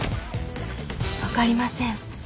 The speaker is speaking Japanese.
わかりません。